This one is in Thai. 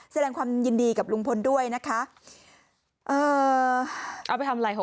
แสดงความยินดีกับลุงพลด้วยนะคะเอ่อเอาไปทำอะไรหรอ